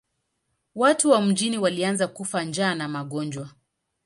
Watu wa mjini walianza kufa njaa na magonjwa.